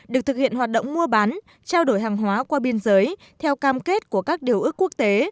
được thực hiện hoạt động mua bán trao đổi hàng hóa qua biên giới theo cam kết của các điều ước quốc tế